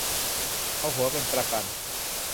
เอาหัวเป็นประกัน